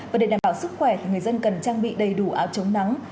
và để đảm bảo sức khỏe thì người dân cần trang bị đầy đủ áo chống nắng